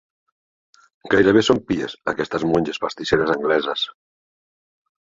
Gairebé són pies, aquestes monges pastisseres angleses.